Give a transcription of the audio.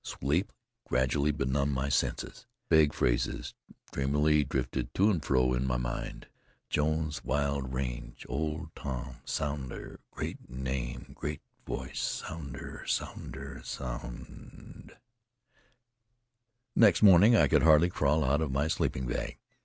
Sleep gradually benumbed my senses. Vague phrases dreamily drifted to and fro in my mind: "Jones's wild range Old Tom Sounder great name great voice Sounder! Sounder! Sounder " Next morning I could hardly crawl out of my sleeping bag.